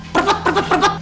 perpek perpek perpek